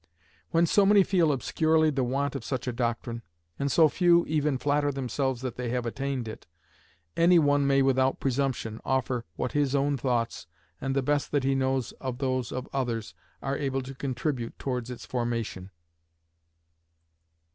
When so many feel obscurely the want of such a doctrine, and so few even flatter themselves that they have attained it, any one may without presumption, offer what his own thoughts, and the best that he knows of those of others, are able to contribute towards its formation.